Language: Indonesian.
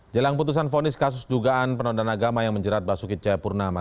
jelang putusan vonis kasus dugaan penodan agama yang menjerat basuki cahapurnama